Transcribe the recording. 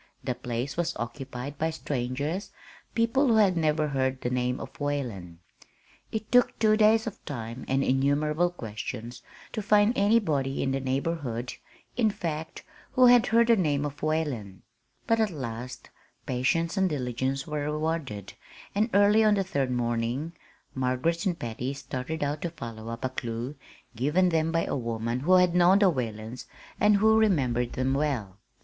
The place was occupied by strangers people who had never heard the name of Whalen. It took two days of time and innumerable questions to find anybody in the neighborhood, in fact, who had heard the name of Whalen; but at last patience and diligence were rewarded, and early on the third morning Margaret and Patty started out to follow up a clew given them by a woman who had known the Whalens and who remembered them well.